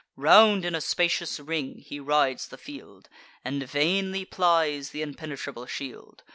Round in a spacious ring he rides the field, And vainly plies th' impenetrable shield.